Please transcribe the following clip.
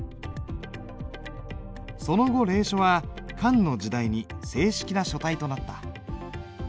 その後隷書は漢の時代に正式な書体となった。